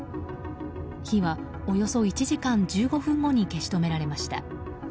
火はおよそ１時間１５分後に消し止められました。